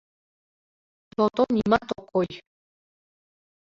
— То-то, «нимат ок кой».